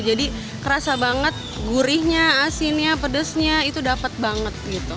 jadi kerasa banget gurihnya asinnya pedesnya itu dapet banget gitu